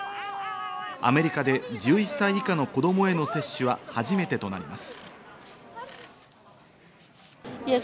アメリカで１１歳以下の子供への接種は初めてとなります。